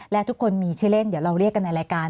และทุกคนมีชื่อเล่นเดี๋ยวเราเรียกกันในรายการ